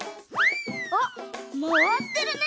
あっまわってるね！